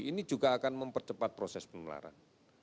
ini juga akan mempercepat proses penularan